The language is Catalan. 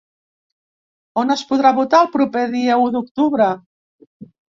On es podrà votar el proper dia u d'octubre?